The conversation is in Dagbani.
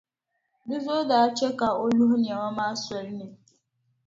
Di zuɣu daa che ka o luhi nɛma maa soli ni.